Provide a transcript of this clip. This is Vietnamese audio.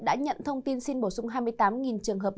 đã nhận thông tin xin bổ sung hai mươi tám trường hợp